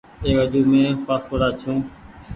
اي وجون مين پآسوڙآ ڇو۔